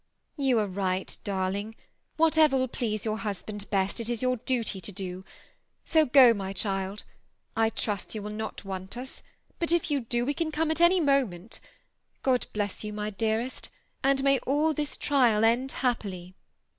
^ You are right, darling ; whatever will please your husband best it is your duty to do ; so go, my child. I trust you will not want us, but if you do, we can come at any moment God bless you, my dearest, and may all this trial end happily!"